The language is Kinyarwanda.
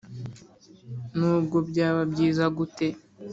nubwo byaba byiza gute